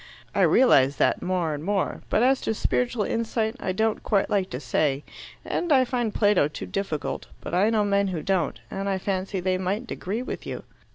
"I realize that more and more. But as to spiritual insight, I don't quite like to say; and I find Plato too difficult, but I know men who don't, and I fancy they mightn't agree with you."